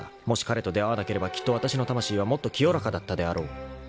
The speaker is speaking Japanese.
［もし彼と出会わなければきっとわたしの魂はもっと清らかだったであろう］